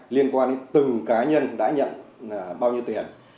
liên quan đến từng cá nhân đã nhận bao nhiêu tiền